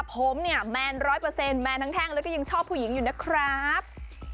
ผมแมนร้อยเปอร์เซ็นต์แมนทั้งแล้วก็ยังชอบผู้หญิงอยู่นะครับ